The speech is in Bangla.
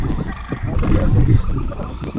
আমার গন্ধওয়ালা ফ্রেঞ্চ পাছার কসম, এরা পারবে না!